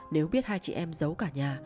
nếu biết hai chị em giấu cả nhà